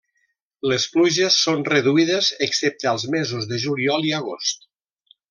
Les pluges són reduïdes excepte als mesos de juliol i agost.